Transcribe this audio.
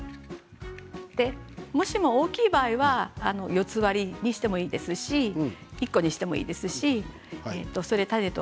もしも大きい場合は４つ割りにしてもいいですし１個にしてもいいですし。